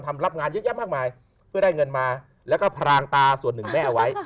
รับงานเยอะแยะมากมายเพื่อได้เงินมาแล้วก็พรางตาส่วนหนึ่งแม่เอาไว้